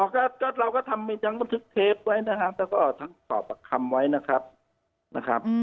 อ๋อก็เราก็ทำไปทั้งทุกเทปไว้นะครับแล้วก็ออกทั้งสอบคำไว้นะครับนะครับ